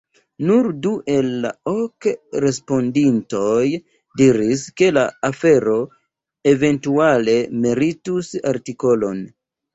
Nur du el la ok respondintoj diris, ke la afero eventuale meritus artikolon.